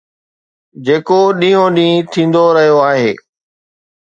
جيڪو ڏينهون ڏينهن ٿيندو رهيو آهي.